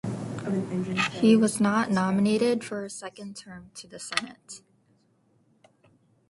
He was not nominated for a second term to the Senate.